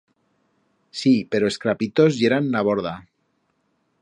Sí, pero es crapitos yeran n'a borda.